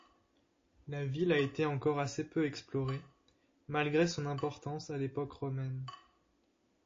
La ville a été encore assez peu explorée, malgré son importance à l'époque romaine.